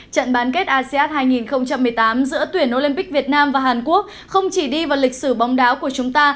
trận bán kết asean hai nghìn một mươi tám giữa tuyển olympic việt nam và hàn quốc không chỉ đi vào lịch sử bóng đáo của chúng ta